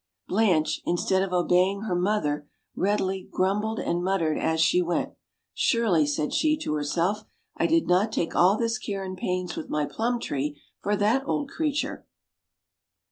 Blanche, instead of obeying her mother read ily, grumbled and muttered as she went. "Surely, "said she to herself, "I did not take all this care and pains with my plum tree for that old creature."